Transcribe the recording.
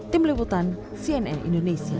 tim liputan cnn indonesia